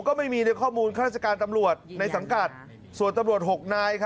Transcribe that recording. ก็ไม่มีในข้อมูลข้าราชการตำรวจในสังกัดส่วนตำรวจ๖นาย